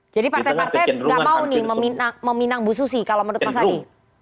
jadi partai partai tidak mau meminang bu susi kalau menurut mas adi